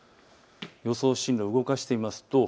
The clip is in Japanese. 予想進路、動かしてみましょう。